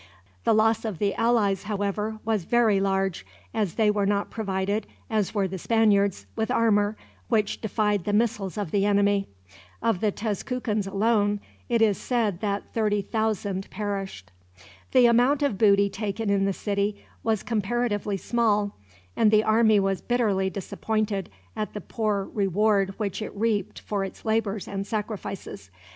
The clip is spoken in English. The loss of the allies, however, was very large; as they were not provided, as were the Spaniards, with armor which defied the missiles of the enemy. Of the Tezcucans, alone, it is said that thirty thousand perished. The amount of booty taken in the city was comparatively small, and the army was bitterly disappointed at the poor reward which it reaped for its labors and sacrifices.